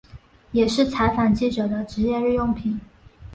也是采访记者的职业日用品。